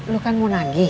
lu kan mau nagih